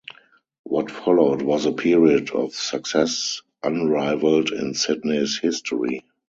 What followed was a period of success unrivalled in Sydney's history.